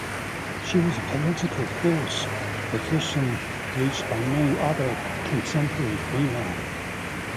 She was a political force, a position reached by no other contemporary female.